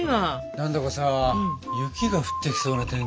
何んだかさ雪が降ってきそうな天気だな。